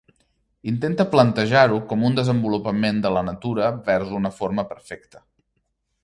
Intenta plantejar-ho com un desenvolupament de la natura vers una forma perfecta.